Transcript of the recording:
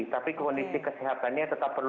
tapi kondisi kesehatannya tetap perlu